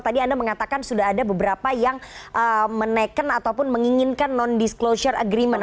tadi anda mengatakan sudah ada beberapa yang menaikkan ataupun menginginkan non disclosure agreement